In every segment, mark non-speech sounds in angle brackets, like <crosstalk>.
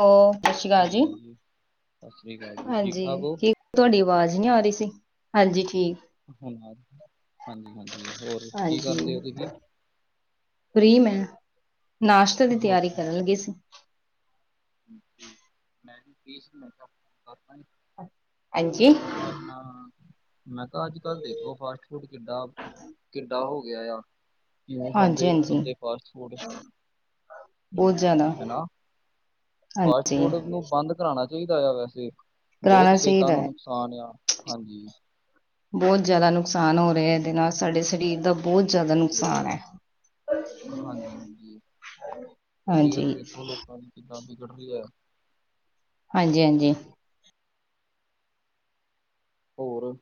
ਹ। ਸਤਿ ਸ਼੍ਰੀ ਅਕਾਲ ਹਾਂਜੀ ਜੀ ਹਾਂਜੀ ਸਤਿ ਸ੍ਰੀ ਅਕਾਲ ਜੀ ਠੀਕ ਹਾਂਜੀ ਠਾਕ ਹੋ ਕੀ ਤੁਹਾਡੀ ਅਵਾਜ਼ ਨਹੀਂ ਆ ਰਹੀ ਸੀ। ਹਾਂਜੀ ਠੀਕ। ਹ ਹਾਂਜੀ ਹਾਂਜੀ ਹੋਰ ਕੀ ਹਾਂਜੀ ਕਰਦੇ ਹੋ ਤੁਸੀਂ। ਫਰੀ ਮੈਂ ਨਾਸ਼ਤੇ ਦੀ ਤਿਆਰੀ ਓਕੇ, ਕਰਨ ਲੱਗੀ ਸੀ। ਮੈਂ ਨਹੀਂ ਸੀ ਕਰਤਾ ਨ। ਹਾਂਜੀ। ਕਿ ਆਪਣਾ। ਮੈਂ ਕਿਹਾ ਅੱਜ ਕੱਲ੍ਹ ਦੇਖੋ ਫਾਸਟ ਫੂਡ ਕਿੱਡਾ ਕਿੱਡਾ ਹੋ ਗਿਆ ਆ। ਕਿਵੇਂ ਹਾਂਜੀ ਖਾਂਦੇ ਹਾਂਜੀ ਬੰਦੇ ਫ਼ਾਸਟ ਫੂਡ। ਬਹੁਤ ਜ਼ਿਆਦਾ ਹਨਾ ਫਾਸਟ ਹਾਂਜੀ ਫੂਡ ਨੂੰ ਬੰਦ ਕਰਾਣਾ। ਚਾਹੀਦਾ ਆ ਵੈਸੇ ਬਹੁਤ ਕਰਾਉਣਾ ਸਿਹਤਾਂ ਚਾਹੀਦਾ ਨੂੰ ਹੈ। ਨੁਕਸਾਨ ਆ ਹਾਂਜੀ। ਬਹੁਤ ਜ਼ਿਆਦਾ ਨੁਕਸਾਨ ਹੋ ਰਿਹਾ ਇਹਦੇ ਨਾਲ ਸਾਡੇ ਸਰੀਰ ਦਾ ਬਹੁਤ ਜ਼ਿਆਦਾ ਨੁਕਸਾਨ ਹੈ। ਹਾਂਜੀ ਹਾਂਜੀ ਹਾਂਜੀ। ਗੜ ਵੀ ਹੈ। ਹਾਂਜੀ ਹਾਂਜੀ। ਹੋਰ।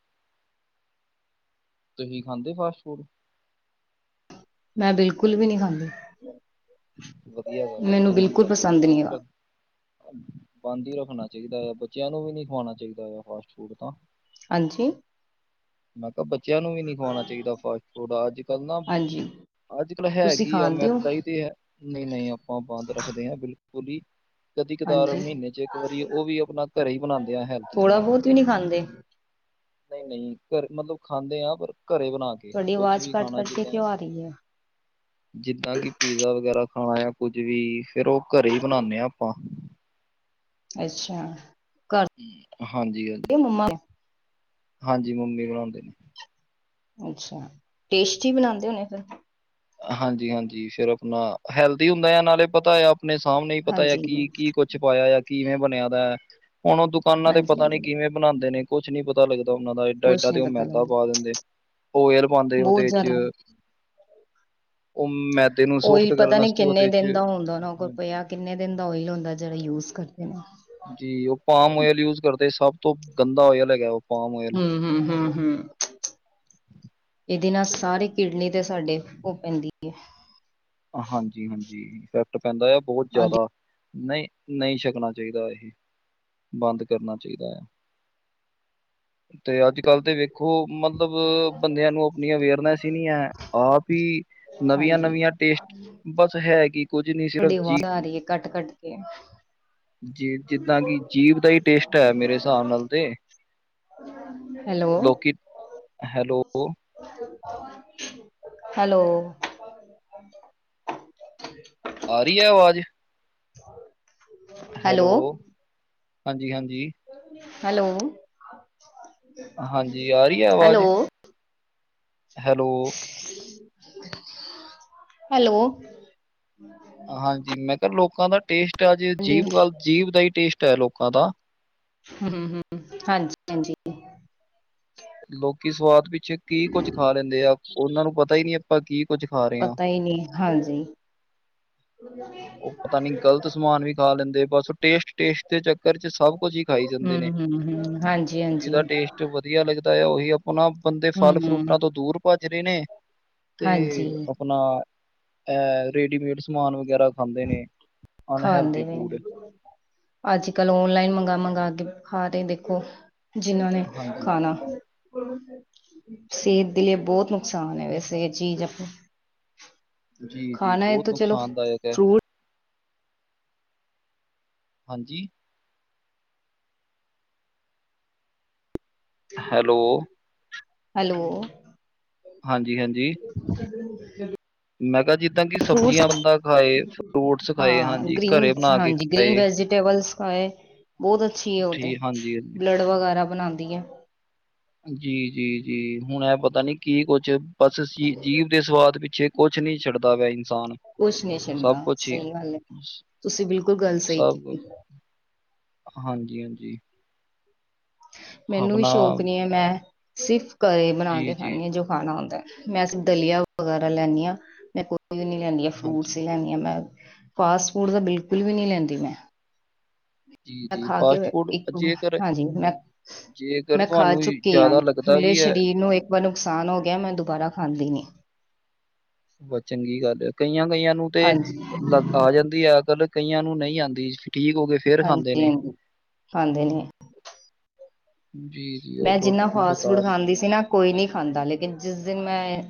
ਤੁਸੀ ਖਾਂਦੇ ਫਾਸਟ ਫੂਡ। ਮੈਂ ਬਿਲਕੁਲ ਵੀ ਨਹੀ ਖਾਂਦੀ। ਵਧੀਆ ਗੱਲ ਮੈਨੂੰ ਚੰਗੀ ਬਿਲਕੁਲ ਗੱਲ ਪਸੰਦ ਨਹੀਂ ਬੰਦ ਹੀ ਹੈਗਾ ਰੱਖੋ। ਬੰਦ ਹੀ ਰੱਖਣਾ ਚਾਹੀਦਾ ਹੈ ਬੱਚਿਆਂ ਨੂੰ ਵੀ ਨਹੀਂ ਖਵਾਉਣਾ ਚਾਹੀਦਾ ਆ ਫਾਸਟ ਫੂਡ ਤਾਂ। ਹਾਂਜੀ। ਮੈਂ ਕਿਹਾ ਬੱਚਿਆਂ ਨੂੰ ਵੀ ਨਹੀਂ ਖਵਾਣਾ ਚਾਹੀਦਾ ਫਾਸਟ ਫੂਡ ਅੱਜ ਕੱਲ ਨਾ। ਹਾਂਜੀ ਅੱਜ ਕੱਲ੍ਹ ਹੈ ਤੁਸੀਂ ਆ ਖਾਂਦੇ ਹੋ ਮੈਂਦਾਂ ਹੀ ਤੇ ਹੈ ਨਹੀਂ ਨਹੀਂ ਆਪਾਂ ਬੰਦ ਰੱਖਦੇ ਹਾਂ ਬਿਲਕੁਲ। <inaudible> <inaudible> ਕਦੀ ਕਦਾਰ ਹਾਂਜੀ ਮਹੀਨੇ ਚ ਇੱਕ ਵਾਰੀ ਉਹ ਵੀ ਆਪਣਾ ਘਰੇ ਹੀ ਬਣਾਉਂਦੇ ਆ ਹੈਲਥੀ ਥੋੜ੍ਹਾ ਸਮਾਨ। ਬਹੁਤ <inaudible> <inaudible> ਨਹੀਂ ਨਹੀਂ ਘਰ ਮਤਲਬ ਖਾਂਦੇ ਹਾਂ ਪਰ। ਘਰੇ ਬਣਾ ਕੇ ਤੁਹਾਡੀ ਕੁਛ ਆਵਾਜ਼ ਵੀ ਕੱਟ ਖਾਣਾ ਕੱਟ ਕੇ ਜਿੱਦਾਂ ਕਿਉਂ ਆ ਰਹੀ ਹੈ? ਜਿੱਦਾਂ ਕਿ ਪੀਜ਼ਾ ਵਗੈਰਾ। ਖਾਣਾ ਆ ਕੁੱਝ ਵੀ ਫੇਰ ਉਹ ਘਰੇ ਹੀ ਬਣਾਉਦੇ ਹਾਂ ਆਪਾਂ। ਅੱਛਾ। ਹਾਂਜੀ ਇਹ ਹਾਂਜੀ। ਮੰਮਾ ਹਾਂਜੀ ਮੰਮੀ ਬਣਾਉਂਦੇ ਨੇ। ਅੱਛਾ ਟੇਸਟੀ ਬਣਾਉਂਦੇ ਹੋਣੇ ਫਿਰ। ਹਾਂਜੀ ਹਾਂਜੀ ਫਿਰ ਆਪਣਾ ਹੈਲਦੀ ਹੁੰਦਾ ਆ ਨਾਲੇ ਪਤਾ ਆ। ਆਪਣੇ ਸਾਹਮਣੇ ਹੀ ਪਤਾ ਹੈ ਹਾਂਜੀ, ਕੀ ਕੀ ਕੁਛ ਪਾਇਆ ਆ ਕਿਵੇਂ ਬਣਿਆ ਦਾ ਹੈ। ਹੁਣ ਉਹ ਦੁਕਾਨਾਂ ਤੇ ਹਾਂਜੀ, ਪਤਾ ਨੀ ਹਾਂਜੀ ਕਿਵੇਂ ਬਣਾਉਂਦੇ ਨੇ ਕੁਛ ਨੀ ਪਤਾ ਲੱਗਦਾ। ਉਹਨਾਂ ਦਾ ਏਡਾ ਕੁਛ ਏਡਾ ਨੀ ਤੇ ਉਹ ਪਤਾ ਮੈਦਾ ਪਾ ਲੱਗਦਾ। ਦਿੰਦੇ ਓਇਲ ਪਾਉਂਦੇ ਬਹੁਤ ਉਹਦੇ ਜ਼ਿਆਦਾ ਚ। <inaudible> <inaudible> ਉਹੀ ਪਤਾ ਕਰਨ ਨਹੀਂ ਆਸਤੇ ਕਿੰਨੇ ਉਹਦੇ 'ਚ ਦਿਨ ਦਾ ਹੁੰਦਾ ਹਾਂਜੀ। ਪਿਆ ਕਿੰਨੇ ਦਿਨ ਦਾ ਓਇਲ ਹੁੰਦਾ ਜਿਹੜਾ ਯੂਜ ਕਰਦੇ ਨੇ। ਜੀ ਉਹ ਪਾਮ ਓਇਲ ਯੂਜ ਕਰਦੇ ਸਭ ਤੋਂ ਗੰਦਾ ਓਇਲ ਹੈਗਾ ਉਹ। Palm oil. ਹਮ ਹਮ ਹਮ ਹਮ। ਇਹਦੇ ਨਾਲ ਸਾਰੇ ਕਿਡਨੀ ਤੇ ਸਾਡੇ ਉਹ ਪੈਂਦੀ ਹੈ। ਹਾਂਜੀ ਹਾਂਜੀ ਇਫੈਕਟ ਪੈਂਦਾ ਆ ਬਹੁਤ ਆਦਿ। ਜ਼ਿਆਦਾ। ਨਹੀਂ ਨਹੀਂ ਛਕਣਾ ਚਾਹੀਦਾ ਇਹ ਬੰਦ ਕਰਨਾ ਚਾਹੀਦਾ ਆ। <inaudible> <inaudible> ਤੇ ਅੱਜ ਕੱਲ੍ਹ ਤੇ ਵੇਖੋ ਮਤਲਬ ਬੰਦਿਆਂ ਨੂੰ ਆਪਣੀ ਅਵੇਅਰਨੈਸ ਹੀ ਨਹੀਂ ਹੈ ਆਪ ਹੀ। ਨਵੀਆਂ ਹਾਂਜੀ। ਨਵੀਆਂ ਟੇਸਟ ਬਸ ਹੈ ਕੀ। ਤੁਹਾਡੀ ਆਵਾਜ਼ ਆ ਰਹੀ ਹੈ ਕੱਟ ਕੱਟ ਕੇ। ਜੀ ਜਿੱਦਾਂ ਕਿ ਜੀਭ ਦਾ ਹੀ ਟੇਸਟ ਹੈ ਮੇਰੇ ਹਿਸਾਬ ਨਾਲ ਤੇ। ਹੈਲੋ, ਲੋਕੀ ਹੈਲੋ। ਹੈਲੋ। ਆ ਰਹੀ ਹੈ ਆਵਾਜ਼। ਹੈਲੋ। ਹਾਂਜੀ ਹਾਂਜੀ। ਹੈਲੋ ਹਾਂਜੀ ਆ ਰਹੀ ਹੈ ਆਵਾਜ਼ ਹੈਲੋ। ਹੈਲੋ। ਹੈਲੋ। ਹਾਂਜੀ ਮੈਂ ਕਿਹਾ ਲੋਕਾਂ ਦਾ ਟੇਸਟ ਅੱਜ ਜੀਭ ਹਾਂਜੀ ਗੱਲ ਜੀਭ ਦਾ ਹੀ ਟੇਸਟ ਹੈ ਲੋਕਾਂ ਦਾ। ਹਮ ਹਮ ਹਾਂਜੀ ਹਾਂਜੀ। ਲੋਕੀ ਸਵਾਦ ਪਿੱਛੇ ਕੀ ਕੁੱਝ ਖਾ ਲੈਂਦੇ ਆ ਉਹਨਾਂ ਨੂੰ ਪਤਾ ਹੀ ਨਹੀ ਆਪਾਂ ਕੀ। ਕੁੱਝ ਖਾ ਰਹੇ ਹਾਂ ਪਤਾ ਹੀ ਨਹੀਂ ਹਾਂਜੀ। ਉਹ ਪਤਾ ਨੀ ਗ਼ਲਤ ਸਮਾਨ ਵੀ ਖਾ ਲੈਂਦੇ ਬਸ ਟੇਸਟ ਟੇਸਟ ਦੇ ਚੱਕਰ ਚ ਸਭ। ਕੁਝ ਹੀ ਖਾਈ ਜਾਂਦੇ ਨੇ ਹੂੰ ਹੂੰ ਹੂੰ ਹਾਂਜੀ ਹਾਂਜੀ ਜਿਹਦਾ ਟੇਸਟ ਵਧੀਆ ਲੱਗਦਾ। ਉਹੀ ਆਪਣਾ ਬੰਦੇ ਫਲ ਹੂੰ ਫਰੂਟਾਂ ਤੋਂ ਦੂਰ ਭੱਜ ਰਹੇ ਨੇ। ਤੇ ਹਾਂਜੀ ਆਪਣਾ ਇਹ ਰੇਡੀਮੇਡ ਸਮਾਨ ਵਗੈਰਾ ਖਾਂਦੇ ਨੇ। ਅਨਹੈਲਦੀ ਖਾਂਦੇ ਨੇ ਫੂਡ ਅੱਜ ਕੱਲ ਓਨਲਾਈਨ ਮੰਗਾ ਮੰਗਾ ਕੇ। ਖਾ ਰਹੇ ਦੇਖੋ ਜਿਨ੍ਹਾਂ ਨੇ ਹਾਂਜੀ ਖਾਣਾ। ਬਿਲਕੁਲ ਸਿਹਤ ਦੇ ਲਈ ਬਹੁਤ ਨੁਕਸਾਨ ਹੈ ਵੈਸੇ, ਇਹ ਚੀਜ਼ ਆਪਾਂ। ਜੀ ਜੀ ਖਾਣਾ ਏ ਬਹੁਤ ਤਾਂ ਚਲੋ ਨੁਕਸਾਨਦਾਇਕ ਹੈ ਫਰੂਟ। ਹਾਂਜੀ। ਹੈਲੋ। ਹੈਲੋ। ਹਾਂਜੀ ਹਾਂਜੀ। ਮੈਂ ਕਿਹਾ ਜਿੱਦਾਂ ਕਿ ਫੂਟਸ ਸਬਜ਼ੀਆਂ ਬੰਦਾ ਖਾਏ ਫਰੂਟਸ ਖਾਏ ਹਾਂ ਹਾਂਜੀ ਗ੍ਰੀਨ ਘਰੇ ਬਣਾ ਕੇ ਹਾਂਜੀ ਗ੍ਰੀਨ। ਖਾਏ ਵੈਜੀਟੇਬਲਸ ਖਾਏ ਬਹੁਤ ਅੱਛੀ ਔ ਤੇ, ਠੀਕ ਹਾਂਜੀ ਹਾਂਜੀ ਬਲਡ ਵਗੈਰਾ। ਬਣਾਦੀ ਏ। ਜੀ ਜੀ ਜੀ ਹੁਣ ਇਹ ਪਤਾ ਨੀ ਕੀ ਕੁਝ ਬਸ ਅਸੀ ਜੀਭ ਦੇ ਸਵਾਦ ਪਿੱਛੇ ਕੁਛ। ਕੁਛ ਨਹੀਂ ਛੱਡਦਾ ਪਿਆ ਇਨਸਾਨ। ਕੁਛ ਨਹੀਂ ਸਭ ਚੰਗਾ ਕੁਛ ਹੀ। ਸਹੀ ਗੱਲ ਹੈ ਤੁਸੀਂ ਬਿਲਕੁਲ ਗੱਲ ਸਹੀ ਸਭ ਕੀਤੀ ਕੁਛ ਏ। ਹਾਂਜੀ ਹਾਂਜੀ। ਮੈਨੂੰ ਵੀ ਆਪਣਾ ਸ਼ੌਕ ਨੀ ਹੈ, ਮੈਂ ਸਿਰਫ਼ ਘਰੇ ਜੀ, ਬਣਾ ਕੇ ਜੀ। ਖਾਂਦੀ ਹਾਂ ਜੋ ਖਾਣਾ ਹੁੰਦਾ ਹੈ। ਮੈਂ ਸਿਰਫ ਦਲਿਆ ਵਗੈਰਾ ਲੈਂਦੀ ਹਾਂ, ਮੈਂ ਹੋਰ ਕੁਛ ਨਹੀਂ ਲੈਂਦੀ ਆ, ਫਰੂਟਸ ਹਾਂਜੀ, ਹੀ ਲੈਂਦੀ ਆ ਮੈਂ। ਫਾਸਟ ਫੂਡ ਤਾਂ ਬਿਲਕੁਲ ਵੀ ਨਹੀਂ ਲੈਂਦੀ ਮੈਂ। ਜੀ, ਮੈਂ ਜੀ। ਖਾ ਕੇ ਫਾਸਟ ਫੂਡ ਇੱਕ ਜੇਕਰ ਹਾਂਜੀ ਮੈਂ, ਜੇਕਰ ਮੈਂ ਖਾ ਤੁਹਾਨੂੰ ਚੁੱਕੀ ਹਾਂ, ਜ਼ਿਆਦਾ ਲੱਗਦਾ ਮੇਰੇ। ਵੀ ਹੈ ਸਰੀਰ ਨੂੰ ਇੱਕ ਵਾਰ ਨੁਕਸਾਨ ਹੋ ਗਿਆ ਮੈਂ ਦੁਬਾਰਾ ਖਾਂਦੀ ਨੀ। ਬਸ ਚੰਗੀ ਗੱਲ ਹੈ। ਕਈਆਂ ਕਈਆਂ ਨੂੰ ਤੇ ਹਾਂਜੀ ਆ ਜਾਂਦੀ ਅਕੱਲ, ਕਈਆਂ ਨੂੰ ਨਹੀਂ ਆਉਂਦੀ। ਠੀਕ ਹੋ ਕੇ ਫੇਰ ਖਾਂਦੇ ਹਾਂਜੀ ਨੇ। ਹਾਂਜੀ ਖਾਂਦੇ ਨੇ ਜੀ, ਜੀ ਉਹ ਮੈਂ ਬ ਜਿੰਨਾ ਫਾਸਟ ਫੂਡ ਬੇਕਾਰ ਹੀ ਖਾਂਦੀ ਸੀ ਖਾਂਦੇ। ਨਾ ਕੋਈ ਨਹੀਂ ਖਾਂਦਾ ਲੇਕਿਨ ਜਿਸ ਦਿਨ ਮੈਂ।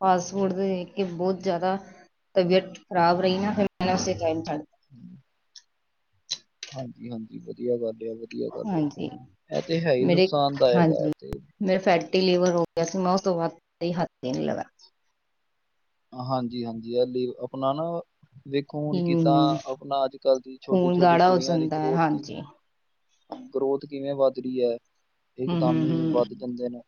ਫਾਸਟ ਫੂਡ ਤੇ ਦੇਖ ਕੇ ਬਹੁਤ ਜ਼ਿਆਦਾ। ਤਬੀਅਤ ਖਰਾਬ ਰਹੀ ਨਾ, ਫਿਰ ਮੈਂ ਔਸੇ ਟਾਈਮ ਛਡ ਦਿਤਾ। <inaudible> ਹਾਂਜੀ- ਹਾਂਜੀ ਵਧੀਆ ਗੱਲ ਏ, ਵਧੀਆ ਗੱਲ ਏ। ਹਾਂਜੀ ਮੇਰੇ ਹਾਂਜੀ, ਮੇਰੇ ਫੈਟੀ ਲੀਵਰ ਹੋ ਗਿਆ ਸੀ, ਮੈਂ ਉਸ ਤੋਂ ਬਾਅਦ ਤੇ ਹੱਥ ਹੀ ਨਹੀ ਲਗਾਇਆ। ਹਾਂਜੀ-ਹਾਂਜੀ ਇਹ ਅਪਣਾ ਨਾ ਦੇੇਖੋ ਹੁਣ ਕਿੱਦਾਂ ਹੂੰ ਅਪਣਾ, ਅੱਜ-ਕੱਲ੍ਹ ਦੀ ਖੂਨ ਛੋਟੀ-ਛੋਟੀ ਗਾੜਾ ਹੋ ਕੁੜੀਆਂ ਦੀ ਜਾਂਦਾ ਹੈ ਗਰੋਥ ਕਿਵੇਂ ਹਾਂਜੀ ਗਰੋਥ ਕਿਵੇਂ ਵੱਧ ਰਹੀ ਹੈ, ਇੱਕ ਹੂੰ ਹੂੰ ਦਮ ਹੂੰ ਵੱਧ ਜਾਂਦੇ ਨੇ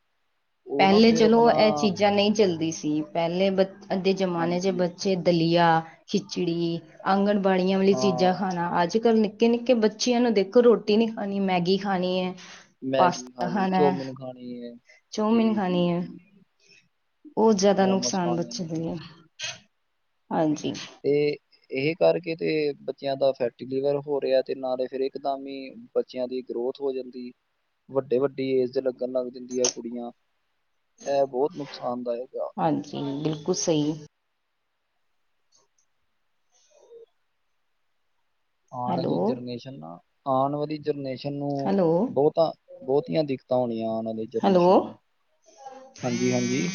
ਉਹ ਨਾ ਪਹਿਲੇ ਫਿਰ ਚਲੋ, ਆਪਣਾ ਇਹ ਚੀਜ਼ਾਂ ਨਹੀਂ ਚੱਲਦੀ ਸੀ ਪਹਿਲੇ ਅੱਜ ਦੇ ਜਮਾਨੇ ਚ ਹਾਂਜੀ ਬੱਚੇ ਦਲੀਆ, ਖਿਚੜੀ ਆਂਗ ਬਾਣੀਆਂ ਵਾਲੀ ਹਾਂ ਚੀਜ਼ਾਂ ਖਾਣਾ, ਅੱਜ-ਕੱਲ੍ਹ ਨ ਨਿੱਕੇ-ਨਿੱਕੇ ਬੱਚਿਆਂ ਨੂੰ ਦੇਖੋ ਰੋਟੀ ਨੀ ਖਾਣੀ, ਮੈਗੀ ਖਾਣੀ ਏ ਮੈਗੀ ਖਾਣੀ, ਚੋਮਿਨ ਖਾਣੀ ਹੈ। ਜੀ ਚਊਮਿਨ ਜੀ ਖਾਨੀ ਏ। ਜੀ ਬਹੁਤ ਜ਼ਿਆਦਾ ਮੋਮੋਸ ਨੁਕਸਾਨ ਖਾਣੇ ਬੱਚੇ ਨੇ ਦਾ ਹੈ, ਹਾਂਜੀ ਤੇ ਇਹ ਕਰਕੇ ਤੇ ਬੱਚਿਆਂ ਦਾ ਫੈਟੀ ਲਿਵਰ ਹੋ ਰਿਹਾ ਏ, ਤੇ ਨਾਲੇ ਫਿਰ ਇੱਕ ਦਮ ਹੀ ਬੱਚਿਆਂ ਦੀ ਗਰੋਥ ਹੋ ਜਾਂਦੀ, ਵੱਡੇ-ਵੱਡੀ ਏਜ ਦੇ ਲੱਗਣ ਲੱਗ ਜਾਂਦੀਆਂ ਕੁੜੀਆਂ ਇਹ ਬਹੁਤ ਨੁਕਸਾਨਦਾਇਕ ਆ। ਹਾਂਜੀ ਬਿਲਕੁਲ ਸਹੀ ਆਣ ਹੈਲੋ ਵਾਲੀ ਜਰਨੇਸ਼ਨ ਨਾ ਆਣ ਵਾਲੀ ਜਨਰੇਸ਼ਨ ਨੂੰ ਹੈਲੋ ਬਹੁਤਾ ਬਹੁਤੀਆਂ ਦਿੱਕਤਾਂ ਹੋਣੀਆਂ। ਹੈਲੋ ਜੇਨਰੇਸ਼ਨ ਨੂੰ, ਹਾਂਜੀ-ਹਾਂਜੀ।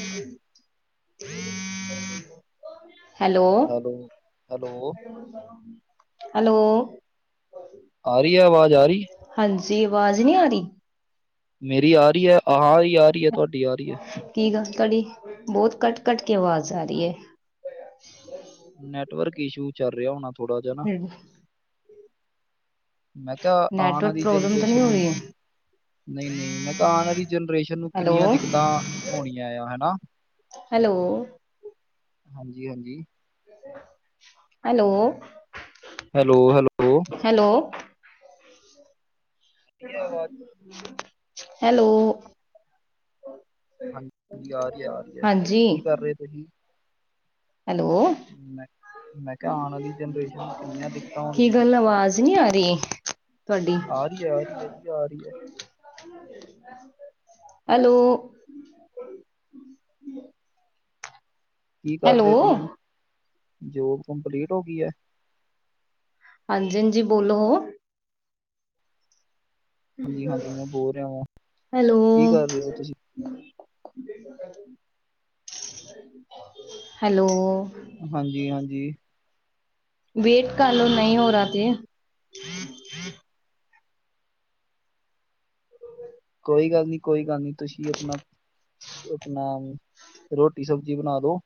ਹੈਲੋ ਹੈਲੋ ਹੈਲੋ-ਹੈਲੋ ਆ ਰਹੀ ਹੈ, ਆਵਾਜ਼ ਆ ਰਹੀ ਜੀ ਆਵਾਜ਼ ਨਹੀਂ ਆ ਰਹੀ। ਮੇਰੀ ਆ ਰਹੀ ਹੈ, ਆਹ ਆ ਰਹੀ ਹੈ, ਤੁਹਾਡੀ ਆ ਰਹੀ ਹੈ। ਕੀ ਗੱਲ ਤੁਹਾਡੀ ਬਹੁਤ ਕੱਟ-ਕੱਟ ਕੇ ਆਵਾਜ਼ ਆ ਰਹੀ ਹੈ। ਨੈਟਵਰਕ ਇਸ਼ੂ ਚੱਲ ਰਿਹਾ, ਹੋਣਾ ਥੋੜਾ ਜਿਹਾ ਨਾ ਹੈ ਮੈਂ ਕਿਹਾ ਆਣ ਆਲੀ ਜਨਰੇਸ਼ਨ ਨੂੰ ਨਹੀਂ-ਨਹੀਂ, ਮੈਂ ਕਿਹਾ ਆਣ ਵਾਲੀ ਜਨਰੇਸ਼ਨ ਨੂੰ ਕਿੰਨੀਆਂ ਦਿੱਕਤਾਂ ਹੋਣੀਆਂ ਆ ਹਨਾ। ਹੈਲੋ, ਹਾਂਜੀ-ਹਾਂਜੀ, ਹੈਲੋ, ਹੈਲੋ-ਹੈਲੋ, ਹੈਲੋ, ਰਹੀ ਹੈ ਆਵਾਜ਼ ਹੈਲੋ, ਹਾਂਜੀ ਹਾਂਜੀ, ਆ ਰਹੀ ਹੈ ਆ ਰਹੀ ਹੈ ਹਾਂਜੀ, ਕੀ ਕਰ ਰਹੇ ਤੁਸੀਂ ਹੈਲੋ ਮੈਂ ਮੈਂ ਕਿਹਾ ਆਣ ਵਾਲੀ ਜਨਰੇਸ਼ਨ ਨੂੰ ਕਿੰਨੀਆਂ ਦਿੱਕਤਾਂ ਕੀ ਹੋਣੀਆਂ। ਗੱਲ ਆਵਾਜ਼ ਨਹੀਂ ਆ ਰਹੀ ਤੁਹਾਡੀ ਆ ਰਹੀ ਹੈ, ਆ ਰਹੀ ਆ, ਆ ਰਹੀ ਹੈ। ਹੈਲੋ, ਕੀ ਹੈਲੋ ਕਰਦੇ ਤੁਸੀਂ ਜੋਬ ਕੰਪਲੀਟ ਹੋ ਗਈ ਹੈ। ਹਾਂਜੀ-ਹਾਂਜੀ ਬੋਲੋ, ਹਾਂਜੀ ਹਾਂਜੀ ਮੈਂ ਬੋਲ ਰਿਹਾ ਵਾਂ ਹੈਲੋ, ਕੀ ਕਰ ਰਹੇ ਹੋ ਤੁਸੀਂ ਹੈਲੋ, ਹਾਂਜੀ-ਹਾਂਜੀ, ਵੇਟ ਕਰਲੋ ਨਹੀਂ ਹੋ ਰਹਾ ਤੇੇ, ਕੋਈ ਗੱਲ ਨੀ, ਕੋਈ ਗੱਲ ਨੀ ਤੁਸੀਂ ਆਪਣਾ ਆਪਣਾ ਰੋਟੀ ਸਬਜ਼ੀ ਬਣਾ ਦੋ,